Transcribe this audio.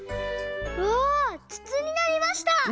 わあつつになりました！